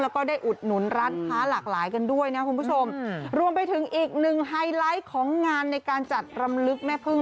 แล้วก็ได้อุดหนุนร้านค้าหลากหลายกันด้วยนะคุณผู้ชมรวมไปถึงอีกหนึ่งไฮไลท์ของงานในการจัดรำลึกแม่พึ่ง